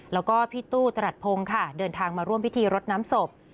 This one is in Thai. แล้วก็พี่ตู้จรัสพงศ์ค่ะเดินทางมาร่วมพิธีรดน้ำศพ